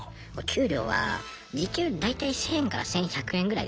給料は時給大体１，０００円から１，１００円ぐらいです。